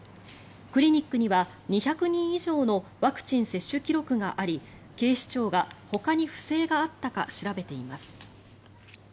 クリニックには２００人以上のワクチン接種記録があり警視庁がほかに不正があったか調べています。